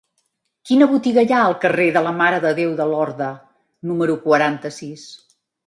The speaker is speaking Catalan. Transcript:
Quina botiga hi ha al carrer de la Mare de Déu de Lorda número quaranta-sis?